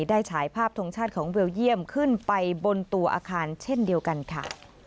ฉายภาพทรงชาติของเบลเยี่ยมขึ้นไปบนตัวอาคารเช่นเดียวกันค่ะ